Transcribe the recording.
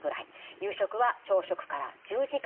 夕食は朝食から１０時間。